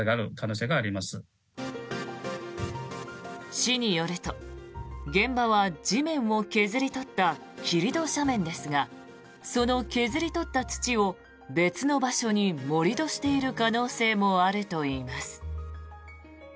市によると現場は地面を削り取った切土斜面ですがその削り取った土を別の場所に盛り土している可能性もあるといいます。